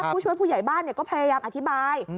ผู้ช่วยผู้ใหญ่บ้านก็พยายามอธิบาย